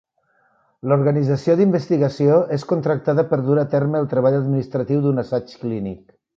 L'organització d'investigació és contractada per dur a terme el treball administratiu d'un assaig clínic.